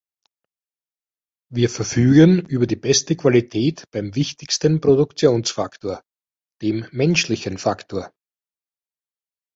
Wir verfügen über die beste Qualität beim wichtigsten Produktionsfaktor, dem menschlichen Faktor.